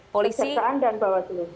polisi kejaksaan dan bawaslu